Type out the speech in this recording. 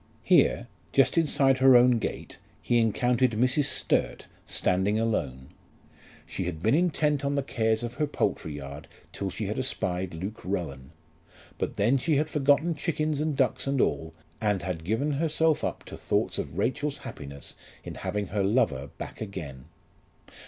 Here, just inside her own gate, he encountered Mrs. Sturt standing alone. She had been intent on the cares of her poultry yard till she had espied Luke Rowan; but then she had forgotten chickens and ducks and all, and had given herself up to thoughts of Rachel's happiness in having her lover back again.